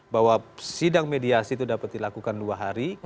bahwa sidang mediasi itu dapat dilakukan dua hari